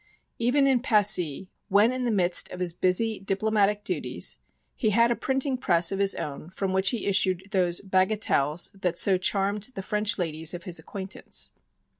Even in Passy, when in the midst of his busy diplomatic duties, he had a printing press of his own from which he issued those "bagatelles" that so charmed the French ladies of his acquaintance.